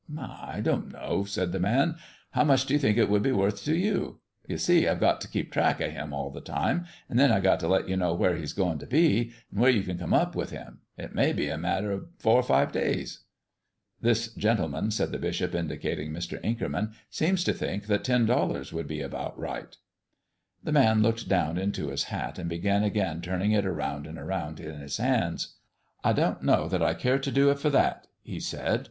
"I don't know," said the man. "How much do you think it would be worth to you? You see, I've got to keep track of Him all the time, and then I've got to let you know where He's going to be, and where you can come up with Him. It may be a matter of four or five days." "This gentleman," said the bishop, indicating Mr. Inkerman, "seems to think that ten dollars would be about right." The man looked down into his hat and began again turning it around and around in his hands. "I don't know that I care to do it for that," he said.